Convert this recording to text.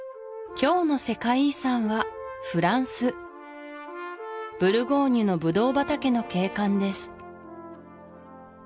今日の世界遺産はフランスブルゴーニュのブドウ畑の景観です